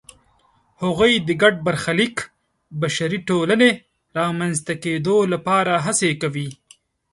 هغوی د ګډ برخلیک بشري ټولنې رامنځته کېدو لپاره هڅې کوي.